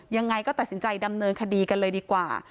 ยังไงก็ตัดสินใจดำเนินคดีกันเลยดีกว่า